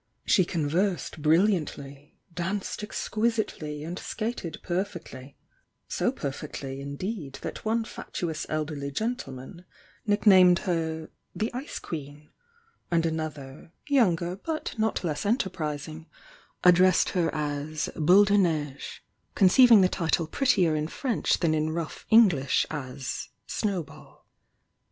She conversed brilliantly, danced exquisitely, and skated perfectly,— so perfectly in deed that one fatuous elderly gentleman nicknamed her "the Ice Queen," and another, younger but not S44 THE YOUNG DIANA 1 ii j lesa enterprising, addrewed her as "Boule de Nexge," conceiving the title prettier in French than in rough English as "Snowball."